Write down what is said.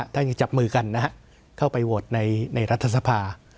ยังจับมือกันนะฮะเข้าไปโหวตในรัฐสภา